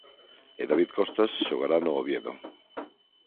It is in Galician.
E David Costas xogará no Oviedo.